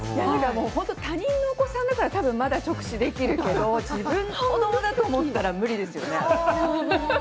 本当に他人のお子さんだからまだ直視できるけれども、自分の子どもだったら、もう無理ですよね。